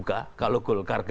itu kalau berarti